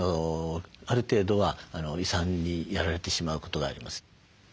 ある程度は胃酸にやられてしまうことがあります。